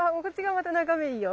また眺めいいよ。